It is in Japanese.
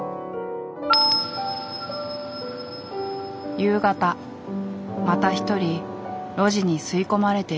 夕方また一人路地に吸い込まれていく人。